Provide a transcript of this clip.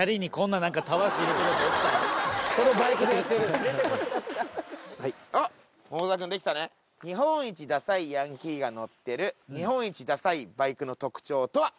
ここにそういうはいあっ桃沢君できたね日本一ダサいヤンキーが乗ってる日本一ダサいバイクの特徴とは？